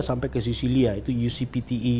sampai ke sicilia itu ucpti